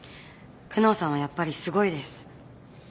久能さんはやっぱりすごいです。